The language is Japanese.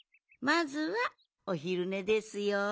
まずはおひるねですよ。